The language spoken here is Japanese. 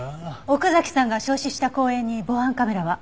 奥崎さんが焼死した公園に防犯カメラは？